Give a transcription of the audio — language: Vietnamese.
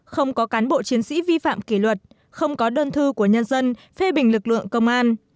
không có cán bộ chiến sĩ vi phạm kỷ luật không có đơn thư của nhân dân phê bình lực lượng công an